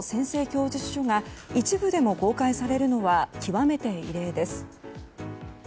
供述書が一部でも公開されるのは極めて異例です。